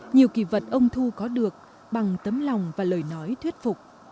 nhiều kỳ vật ông thu có được bằng tấm lòng và lời nói thuyết phục